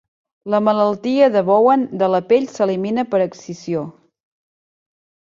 La malaltia de Bowen de la pell s'elimina per excisió.